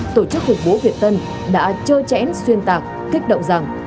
tổ chức khủng bố việt tân đã chơ chẽn xuyên tạc kịch động rằng